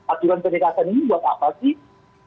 aturan pendekatan ini buat apa sih